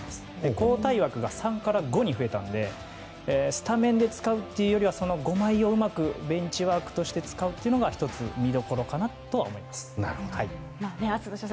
交代枠が３から５に増えたのでスタメンで使うというよりはその５枚をうまくベンチワークとして使うというのが１つ見どころかなとは思います。